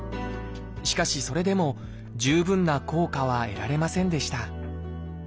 しかしそれでも十分な効果は得られませんでした